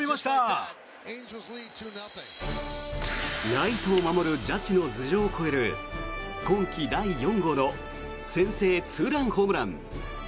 ライトを守るジャッジの頭上を越える今季第４号の先制ツーランホームラン。